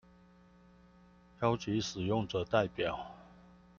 邀集使用者代表